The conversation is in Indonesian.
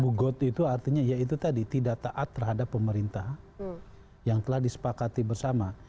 bugot itu artinya ya itu tadi tidak taat terhadap pemerintah yang telah disepakati bersama